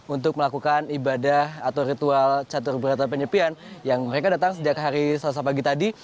untuk melakukan ibadah atau ritual catur berata penyepian yang mereka datang sejak hari selasa pagi tadi